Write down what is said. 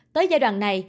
tới giai đoạn